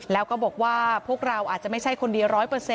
แล้วก็บอกว่าพวกเราอาจจะไม่ใช่คนเดียว๑๐๐